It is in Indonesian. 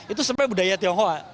itu sebenarnya budaya tionghoa